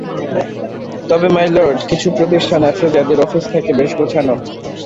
তবে my lord, কিছু প্রতিষ্ঠান আছে যাদের অফিস থাকে বেশ গোছানো।